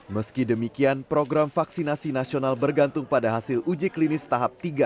meski demikian program vaksinasi nasional bergantung pada hasil uji klinis tahap tiga